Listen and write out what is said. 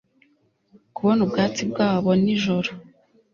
Kubona ubwatsi bwabo nijoro